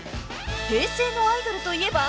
［平成のアイドルといえば］